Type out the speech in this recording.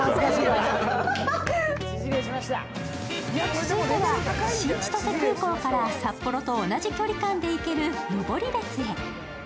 続いては、新千歳空港から札幌と同じ距離感で行ける登別へ。